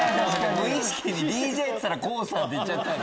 無意識にＤＪっつったらＫＯＯさんって言っちゃった。